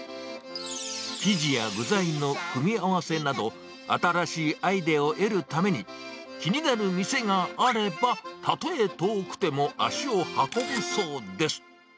生地や具材の組み合わせなど、新しいアイデアを得るために、気になる店があれば、たとえ遠くても足を運ぶそうです。